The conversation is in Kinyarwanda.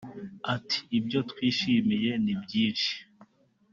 Ati “Ibyo twishimiye ni byinshi